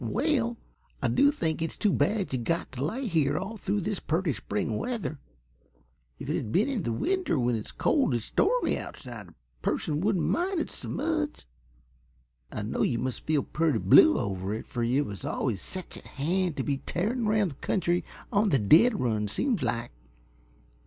"Well, I do think it's too bad yuh got t' lay here all through this purty spring weather. If it had been in the winter, when it's cold and stormy outside, a person wouldn't mind it s' much. I know yuh must feel purty blew over it, fer yuh was always sech a hand t' be tearin' around the country on the dead run, seems like.